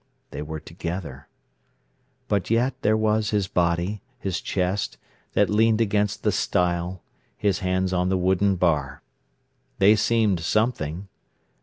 They were together. But yet there was his body, his chest, that leaned against the stile, his hands on the wooden bar. They seemed something.